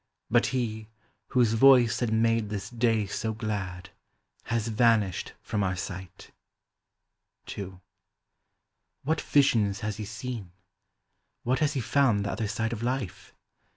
But he, whose voice had made this day so glad, Has vanished from our sight. II. What visions has he seen ? What has he found the other side of life